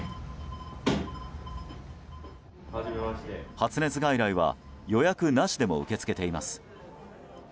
発熱外来は予約なしでも受け付けています。